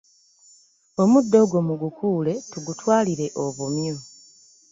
Omuddo ogwo mugukuule tugutwalire obumyu.